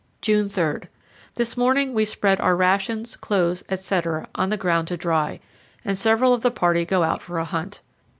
June 3. This morning we spread our rations, clothes, etc., on the ground to dry, and several of the party go out for a hunt.